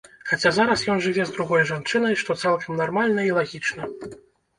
Хаця зараз ён жыве з другой жанчынай, што цалкам нармальна і лагічна.